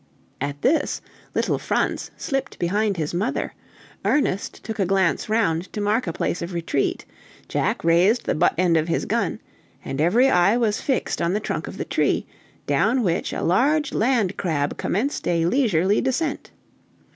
At this, little Franz slipped behind his mother, Ernest took a glance round to mark a place of retreat, Jack raised the butt end of his gun, and every eye was fixed on the trunk of the tree, down which a large land crab commenced a leisurely descent.